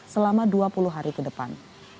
selama dua puluh hari ke depan